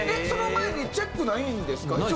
その前にチェックないんですか？